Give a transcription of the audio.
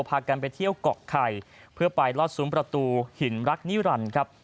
พากันไปเที่ยวเกาะไข่เพื่อไปลอดซุ้มประตูหินรักนิรันดิ์ครับ